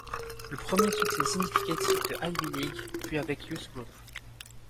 Le premier succès significatif de Ivy League fut avec Youth Group.